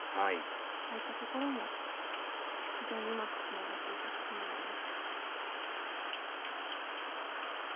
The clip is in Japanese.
ああいったところも非常にうまくつながっていたと思います。